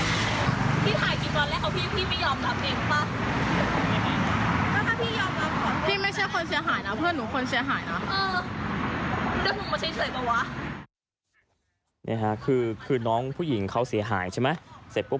ผมอยากจะสอบให้เพื่อนขอเพื่อนทำงานนะครับ